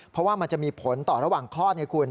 เพราะว่ามันจะมีผลต่อระหว่างคลอดไงคุณ